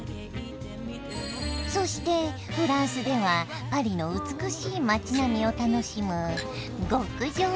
そしてフランスではパリの美しい町並みを楽しむ極上ピクニック。